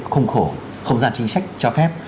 không khổ không gian chính sách cho phép